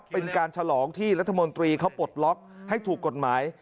เป็นการฉลองที่รัฐมนตรีเขาปลดล็อกให้ถูกกฎหมาย